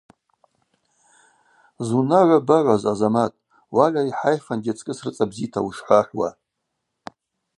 Зунагӏва багӏваз, Азамат, уальай, хӏайфанд йацкӏыс рыцӏа бзита ушхӏвахӏвуа.